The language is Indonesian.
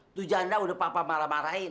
itu janda yang sudah pak ramda marah marahkan